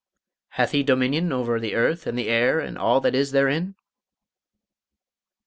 "Hath he dominion over the earth and the air and all that is therein?"